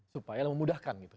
supaya memudahkan gitu